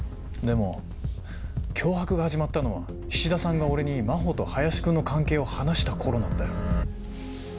でも脅迫が始まったのは菱田さんが俺に真帆と林君の関係を話した頃なんだよ。